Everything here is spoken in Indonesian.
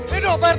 hidup pak rt